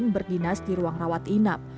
berdinas di ruang rawat inap